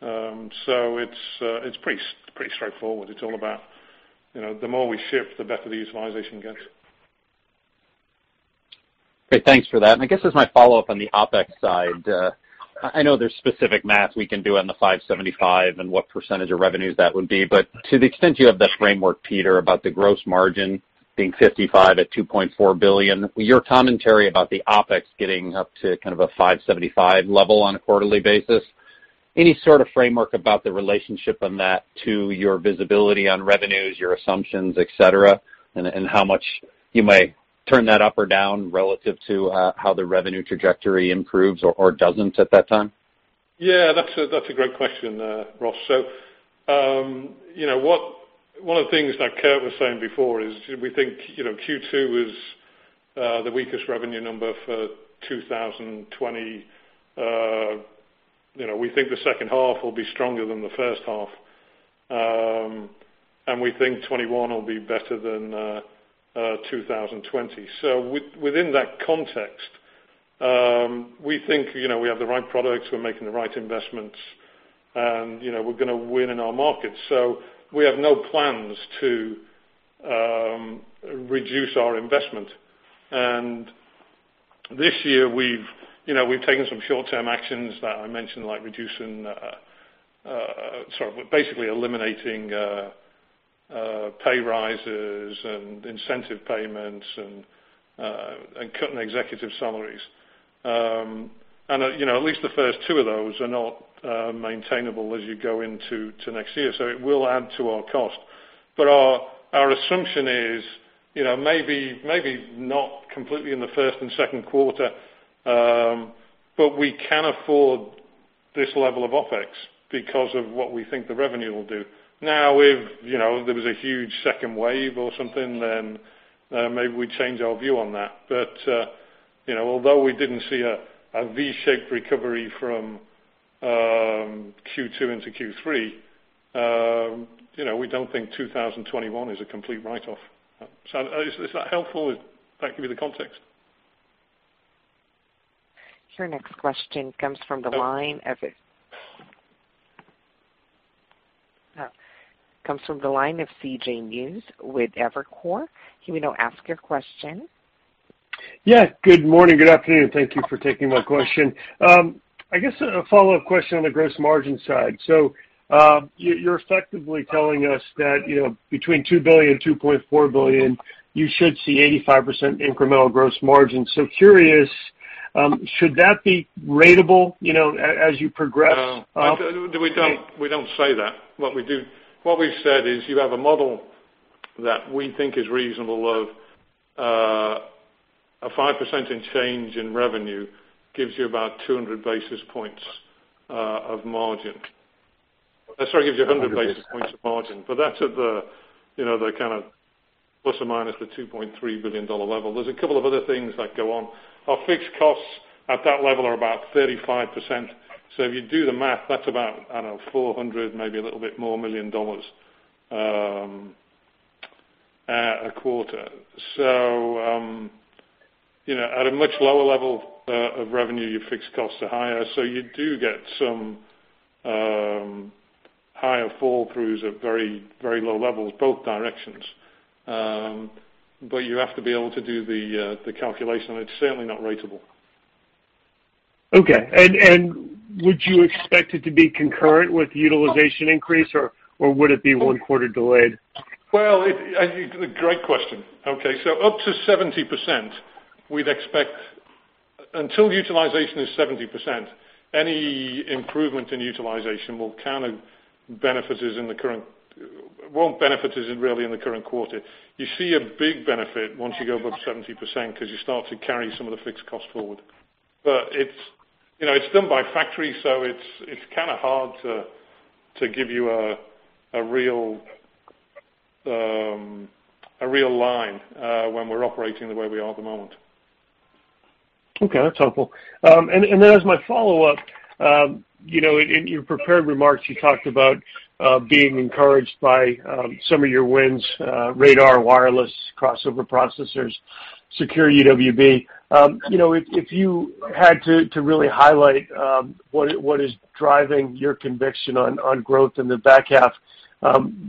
It's pretty straightforward. It's all about the more we ship, the better the utilization gets. Okay, thanks for that. I guess as my follow-up on the OpEx side, I know there's specific math we can do on the $575 and what percentage of revenues that would be. To the extent you have that framework, Peter, about the gross margin being 55% at $2.4 billion, your commentary about the OpEx getting up to kind of a $575 level on a quarterly basis, any sort of framework about the relationship on that to your visibility on revenues, your assumptions, et cetera, and how much you might turn that up or down relative to how the revenue trajectory improves or doesn't at that time? Yeah, that's a great question there, Ross. One of the things that Kurt was saying before is we think Q2 was the weakest revenue number for 2020. We think the second half will be stronger than the first half. We think 2021 will be better than 2020. Within that context, we think we have the right products, we're making the right investments, and we're going to win in our markets. We have no plans to reduce our investment. This year we've taken some short-term actions that I mentioned, like basically eliminating pay rises and incentive payments and cutting executive salaries. At least the first two of those are not maintainable as you go into next year, so it will add to our cost. Our assumption is maybe not completely in the first and second quarter, but we can afford this level of OpEx because of what we think the revenue will do. If there was a huge second wave or something, then maybe we'd change our view on that. Although we didn't see a V-shaped recovery from Q2 into Q3, we don't think 2021 is a complete write-off. Is that helpful? Does that give you the context? Your next question comes from the line of CJ Muse with Evercore. You may now ask your question. Yeah. Good morning. Good afternoon. Thank you for taking my question. I guess a follow-up question on the gross margin side. You're effectively telling us that between $2 billion-$2.4 billion, you should see 85% incremental gross margin. Curious, should that be ratable as you progress up? No. We don't say that. What we've said is you have a model that we think is reasonable of a 5% in change in revenue gives you about 200 basis points of margin. Sorry, gives you 100 basis points of margin. That's at the kind of plus or minus the $2.3 billion level. There's a couple of other things that go on. Our fixed costs at that level are about 35%. If you do the math, that's about, I don't know, $400 million, maybe a little bit more, a quarter. At a much lower level of revenue, your fixed costs are higher, so you do get some higher fall throughs at very low levels, both directions. You have to be able to do the calculation, and it's certainly not ratable. Okay. Would you expect it to be concurrent with utilization increase, or would it be one quarter delayed? Well, it's a great question. Up to 70%, until utilization is 70%, any improvement in utilization won't benefit us really in the current quarter. You see a big benefit once you go above 70% because you start to carry some of the fixed costs forward. It's done by factory, so it's kind of hard to give you a real line when we're operating the way we are at the moment. Okay, that's helpful. As my follow-up, in your prepared remarks, you talked about being encouraged by some of your wins, radar, wireless, crossover processors, secure UWB. If you had to really highlight what is driving your conviction on growth in the back half,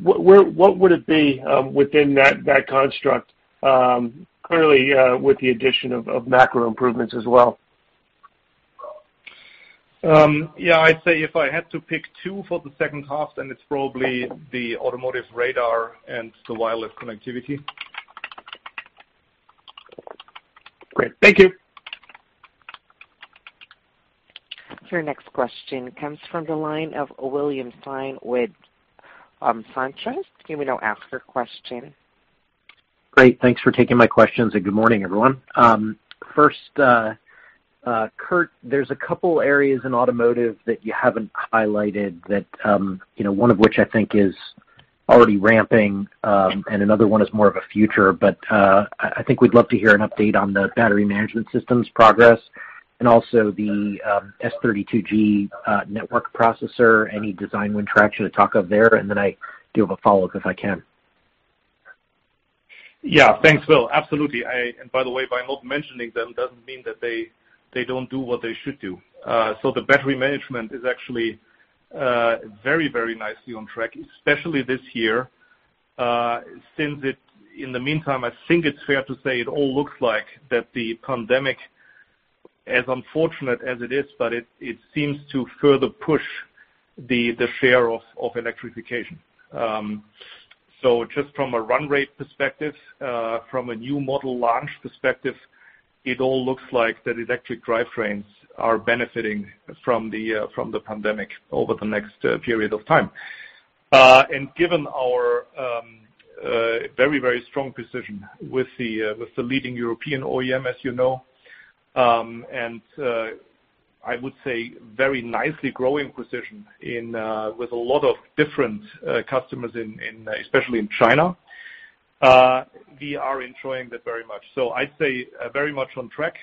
what would it be within that construct? Clearly, with the addition of macro improvements as well. Yeah, I'd say if I had to pick two for the second half, then it's probably the automotive radar and the wireless connectivity. Great. Thank you. Your next question comes from the line of William Stein with SunTrust. You may now ask your question. Great. Thanks for taking my questions. Good morning, everyone. First, Kurt, there's a couple areas in automotive that you haven't highlighted that one of which I think is already ramping, and another one is more of a future. I think we'd love to hear an update on the battery management systems progress and also the S32G network processor. Any design win traction to talk of there? I do have a follow-up if I can. Yeah. Thanks, Will. Absolutely. By the way, by not mentioning them doesn't mean that they don't do what they should do. The battery management is actually very nicely on track, especially this year. In the meantime, I think it's fair to say it all looks like that the pandemic, as unfortunate as it is, but it seems to further push the share of electrification. Just from a run rate perspective, from a new model launch perspective, it all looks like that electric drivetrains are benefiting from the pandemic over the next period of time. Given our very strong position with the leading European OEM, as you know, and I would say very nicely growing position with a lot of different customers especially in China, we are enjoying that very much. I'd say very much on track.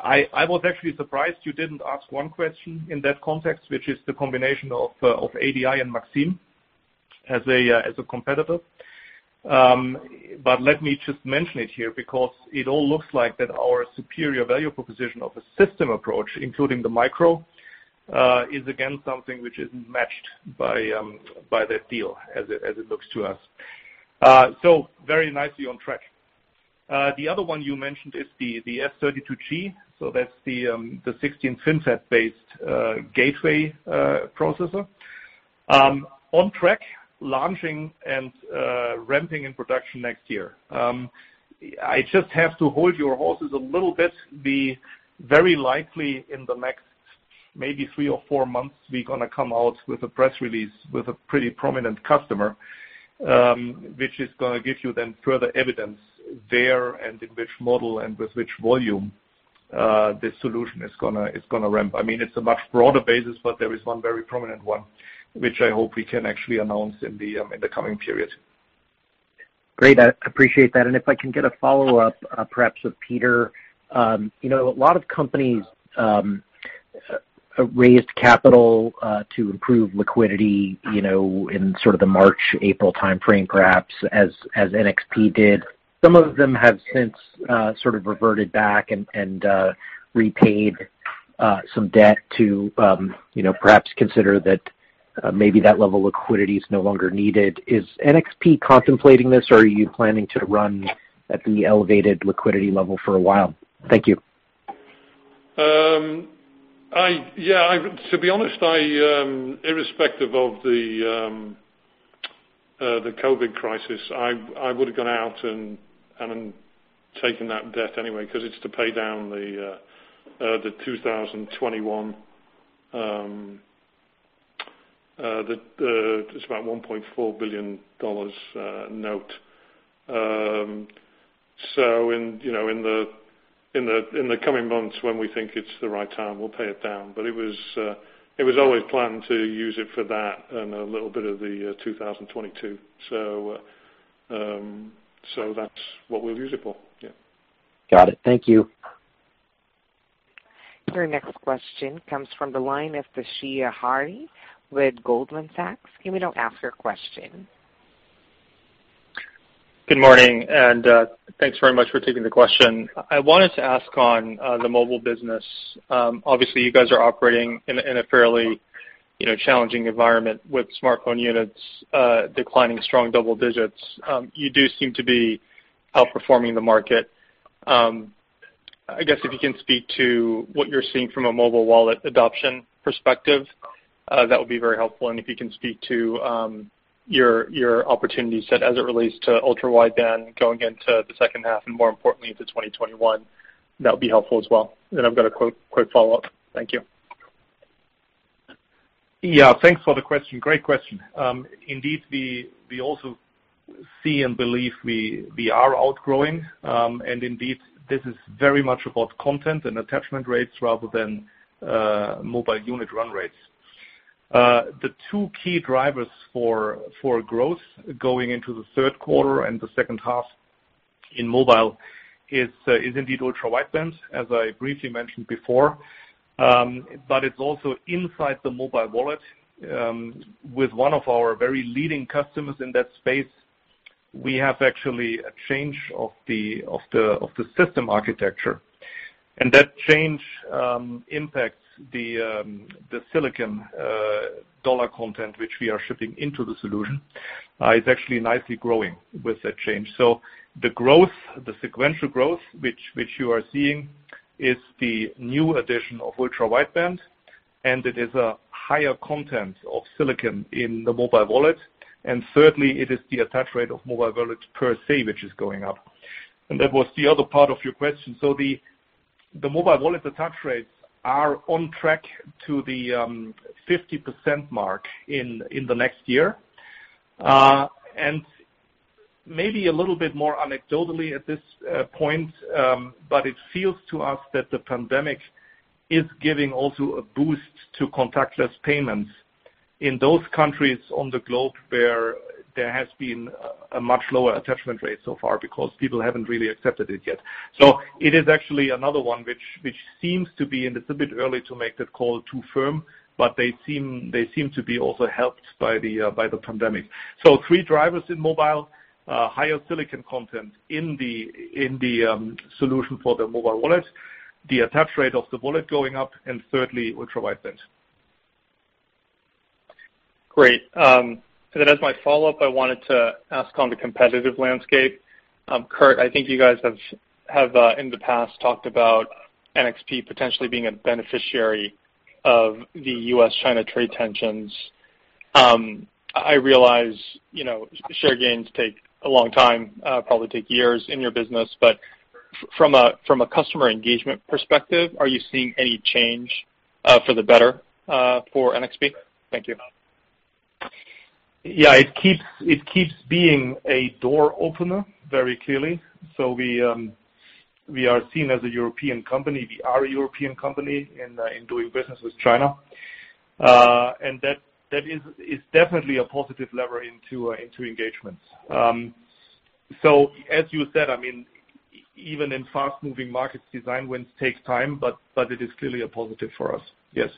I was actually surprised you didn't ask one question in that context, which is the combination of ADI and Maxim as a competitor. Let me just mention it here because it all looks like that our superior value proposition of a system approach, including the micro, is again, something which isn't matched by that deal as it looks to us. Very nicely on track. The other one you mentioned is the S32G. That's the 16nm FinFET based gateway processor. On track, launching, and ramping in production next year. I just have to hold your horses a little bit. Very likely in the next maybe three or four months, we're going to come out with a press release with a pretty prominent customer, which is going to give you then further evidence there and in which model and with which volume. This solution is going to ramp. It's a much broader basis, but there is one very prominent one, which I hope we can actually announce in the coming period. Great. I appreciate that. If I can get a follow-up, perhaps with Peter. A lot of companies raised capital to improve liquidity, in sort of the March, April timeframe, perhaps as NXP did. Some of them have since sort of reverted back and repaid some debt to perhaps consider that maybe that level of liquidity is no longer needed. Is NXP contemplating this, or are you planning to run at the elevated liquidity level for a while? Thank you. To be honest, irrespective of the COVID-19 crisis, I would've gone out and taken that debt anyway because it's to pay down the 2021, it's about $1.4 billion note. In the coming months when we think it's the right time, we'll pay it down. It was always planned to use it for that and a little bit of the 2022. That's what we'll use it for. Got it. Thank you. Your next question comes from the line of Toshiya Hari with Goldman Sachs. You may now ask your question. Good morning, and thanks very much for taking the question. I wanted to ask on the mobile business. Obviously, you guys are operating in a fairly challenging environment with smartphone units declining strong double digits. You do seem to be outperforming the market. I guess if you can speak to what you're seeing from a mobile wallet adoption perspective, that would be very helpful. If you can speak to your opportunity set as it relates to ultra-wideband going into the second half and more importantly into 2021, that would be helpful as well. I've got a quick follow-up. Thank you. Yeah. Thanks for the question. Great question. Indeed, we also see and believe we are outgrowing, and indeed, this is very much about content and attachment rates rather than mobile unit run rates. The two key drivers for growth going into the third quarter and the second half in mobile is indeed ultra-wideband, as I briefly mentioned before. It's also inside the mobile wallet, with one of our very leading customers in that space, we have actually a change of the system architecture. That change impacts the silicon dollar content, which we are shipping into the solution. It's actually nicely growing with that change. The sequential growth which you are seeing is the new addition of ultra-wideband, and it is a higher content of silicon in the mobile wallet. Thirdly, it is the attach rate of mobile wallets per se, which is going up. That was the other part of your question. The mobile wallet attach rates are on track to the 50% mark in the next year. Maybe a little bit more anecdotally at this point, but it feels to us that the pandemic is giving also a boost to contactless payments in those countries on the globe where there has been a much lower attachment rate so far because people haven't really accepted it yet. It is actually another one which seems to be, and it's a bit early to make that call too firm, but they seem to be also helped by the pandemic. Three drivers in mobile, higher silicon content in the solution for the mobile wallet, the attach rate of the wallet going up, and thirdly, ultra-wideband. Great. As my follow-up, I wanted to ask on the competitive landscape. Kurt, I think you guys have in the past talked about NXP potentially being a beneficiary of the U.S.-China trade tensions. I realize share gains take a long time, probably take years in your business, from a customer engagement perspective, are you seeing any change for the better for NXP? Thank you. Yeah, it keeps being a door opener very clearly. We are seen as a European company. We are a European company in doing business with China. That is definitely a positive lever into engagements. As you said, even in fast-moving markets, design wins take time, but it is clearly a positive for us. Yes.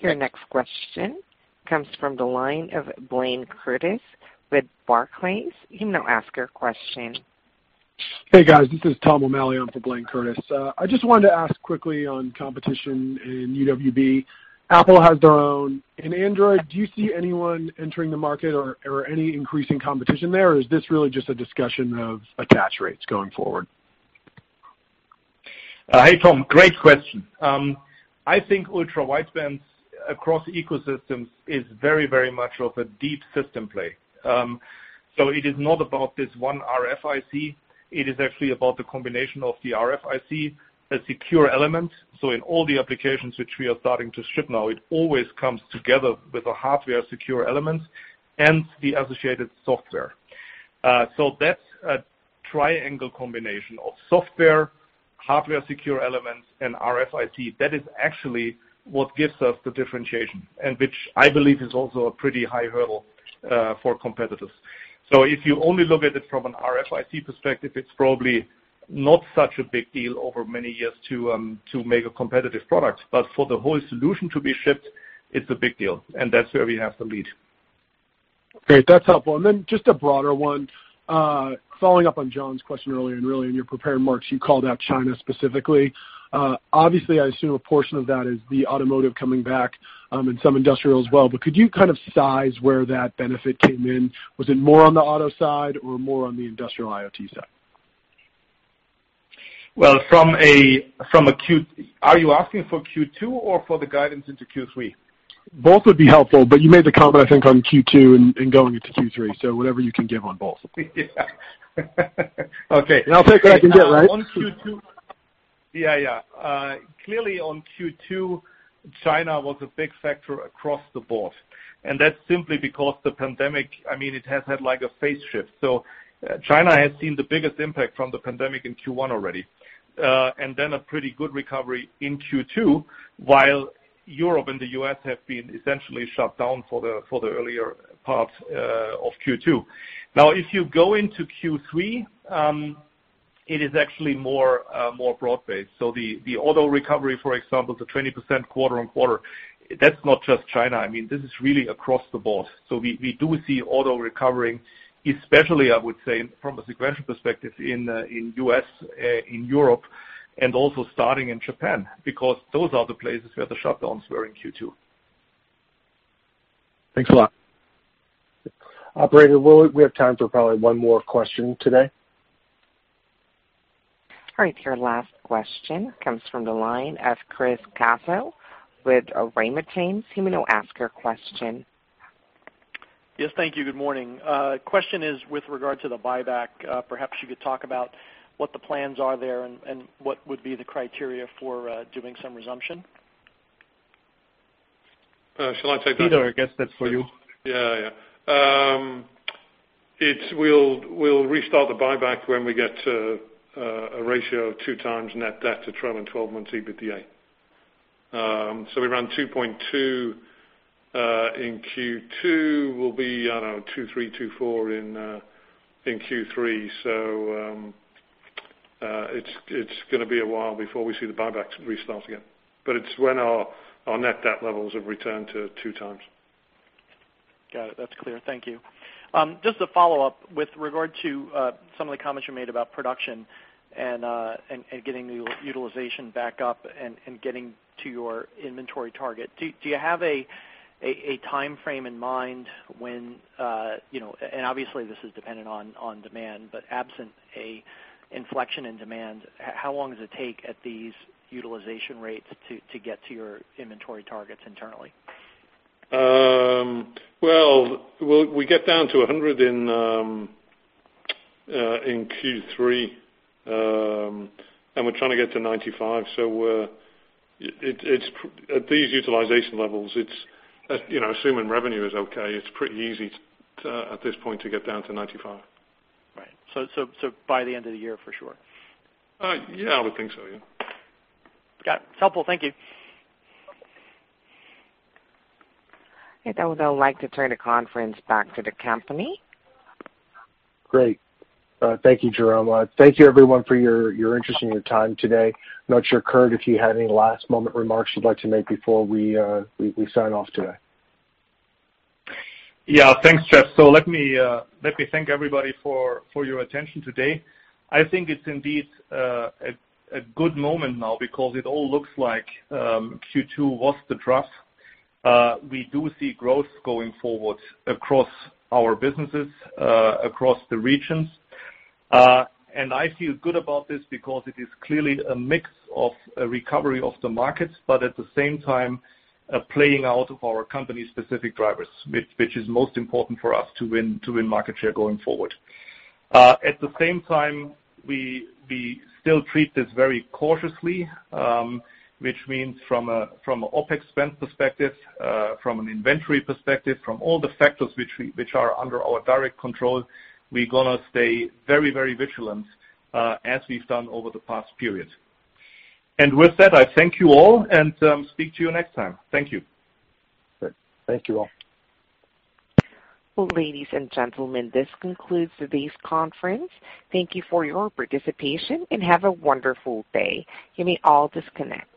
Your next question comes from the line of Blayne Curtis with Barclays. You may now ask your question. Hey, guys. This is Tom O'Malley. I'm for Blayne Curtis. I just wanted to ask quickly on competition in UWB. Apple has their own in Android. Do you see anyone entering the market or any increasing competition there, or is this really just a discussion of attach rates going forward? Hey, Tom. Great question. I think ultra-wideband across ecosystems is very much of a deep system play. It is not about this one RFIC. It is actually about the combination of the RFIC, the secure element. In all the applications which we are starting to ship now, it always comes together with a hardware secure element and the associated software. That's a triangle combination of software, hardware-secure elements, and RFIC. That is actually what gives us the differentiation, and which I believe is also a pretty high hurdle for competitors. If you only look at it from an RFIC perspective, it's probably not such a big deal over many years to make a competitive product. For the whole solution to be shipped, it's a big deal, and that's where we have the lead. Great. That's helpful. Just a broader one. Following up on John's question earlier, and really in your prepared remarks, you called out China specifically. Obviously, I assume a portion of that is the automotive coming back, and some industrial as well, but could you kind of size where that benefit came in? Was it more on the auto side or more on the industrial IoT side? Well, are you asking for Q2 or for the guidance into Q3? Both would be helpful, but you made the comment, I think, on Q2 and going into Q3, so whatever you can give on both. Yeah. Okay. I'll take what I can get, right? Yeah. Clearly on Q2, China was a big factor across the board, and that's simply because the pandemic, it has had a phase shift. China has seen the biggest impact from the pandemic in Q1 already. Then a pretty good recovery in Q2, while Europe and the U.S. have been essentially shut down for the earlier part of Q2. Now, if you go into Q3, it is actually more broad-based. The auto recovery, for example, the 20% quarter-on-quarter, that's not just China. This is really across the board. We do see auto recovering, especially, I would say, from a sequential perspective in U.S., in Europe, and also starting in Japan, because those are the places where the shutdowns were in Q2. Thanks a lot. Operator, we have time for probably one more question today. All right, your last question comes from the line of Chris Caso with Raymond James. You may now ask your question. Yes, thank you. Good morning. Question is with regard to the buyback. Perhaps you could talk about what the plans are there and what would be the criteria for doing some resumption. Shall I take that? Peter, I guess that's for you. Yeah. We'll restart the buyback when we get to a ratio of two times net debt to trailing 12 months EBITDA. We ran 2.2 in Q2. We'll be, I don't know, 2.3, 2.4 in Q3. It's gonna be a while before we see the buybacks restart again. It's when our net debt levels have returned to two times. Got it. That's clear. Thank you. Just a follow-up. With regard to some of the comments you made about production and getting the utilization back up and getting to your inventory target, do you have a timeframe in mind when, and obviously this is dependent on demand, but absent a inflection in demand, how long does it take at these utilization rates to get to your inventory targets internally? Well, we get down to 100 in Q3, and we're trying to get to 95. At these utilization levels, assuming revenue is okay, it's pretty easy at this point to get down to 95. Right. By the end of the year for sure. Yeah, I would think so, yeah. Got it. It's helpful, thank you. Okay. I would now like to turn the conference back to the company. Great. Thank you, Jerome. Thank you everyone for your interest and your time today. I'm not sure, Kurt, if you had any last-moment remarks you'd like to make before we sign off today. Thanks, Jeff. Let me thank everybody for your attention today. I think it's indeed a good moment now because it all looks like Q2 was the trough. We do see growth going forward across our businesses, across the regions. I feel good about this because it is clearly a mix of a recovery of the markets, but at the same time, playing out of our company's specific drivers, which is most important for us to win market share going forward. At the same time, we still treat this very cautiously. Which means from a OpEx spend perspective, from an inventory perspective, from all the factors which are under our direct control, we're gonna stay very vigilant, as we've done over the past period. With that, I thank you all and speak to you next time. Thank you. Great. Thank you all. Well, ladies and gentlemen, this concludes today's conference. Thank you for your participation and have a wonderful day. You may all disconnect.